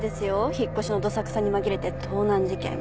引っ越しのどさくさに紛れて盗難事件。